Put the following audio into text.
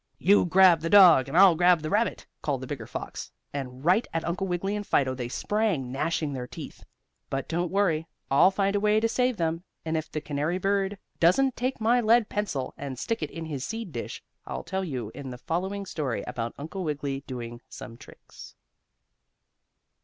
"You grab the dog and I'll grab the rabbit," called the biggest fox, and right at Uncle Wiggily and Fido they sprang, gnashing their teeth. But don't worry. I'll find a way to save them, and if the canary bird doesn't take my lead pencil and stick it in his seed dish I'll tell you in the following story about Uncle Wiggily doing some tricks.